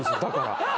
だから。